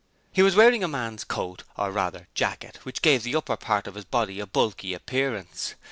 He was wearing a man's coat or rather jacket which gave the upper part of his body a bulky appearance.